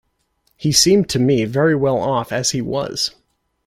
He seemed to me very well off as he was.